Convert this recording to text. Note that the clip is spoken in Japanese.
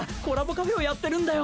カフェをやってるんだよ。